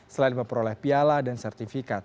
selain memperoleh piala dan sertifikat